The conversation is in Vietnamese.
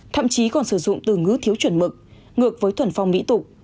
thậm chí còn sử dụng từ ngữ thiếu chuẩn mực ngược với thuần phong mỹ tục